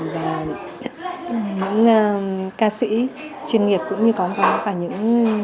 và những ca sĩ chuyên nghiệp cũng như có cả những